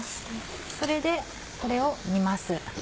それでこれを煮ます。